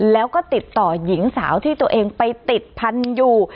แล้วก็ติดต่อหญิงสาวที่ตัวเองไปติดพันธุ์อยู่